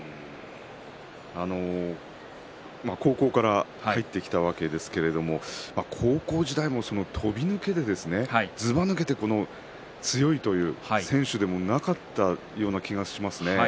高校から入ってきたわけですけれども高校時代も飛び抜けてずばぬけて強いという選手でもなかったような気がしますね。